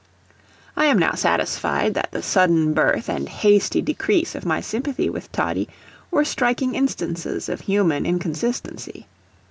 I am now satisfied that the sudden birth and hasty decease of my sympathy with Toddie were striking instances of human inconsistency.